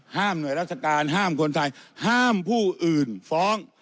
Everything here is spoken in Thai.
หน่วยราชการห้ามคนไทยห้ามผู้อื่นฟ้อง